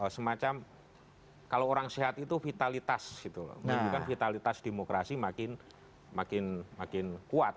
semacam kalau orang sehat itu vitalitas gitu loh menunjukkan vitalitas demokrasi makin kuat